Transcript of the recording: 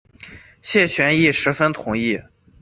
谢玄亦十分同意。